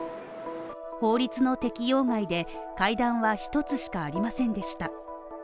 法律の適用外で階段は一つしかありませんでした。